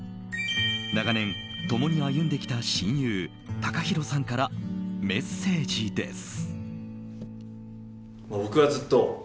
長年、共に歩んできた親友ＴＡＫＡＨＩＲＯさんからメッセージです。